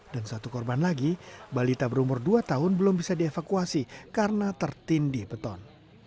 dan satu korban lagi balita berumur dua tahun belum bisa dievakuasi karena tertindih beton